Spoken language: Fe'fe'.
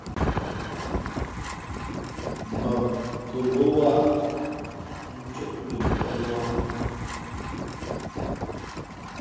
Mbak kαlō wāha ncōʼ dom pēʼ yoh.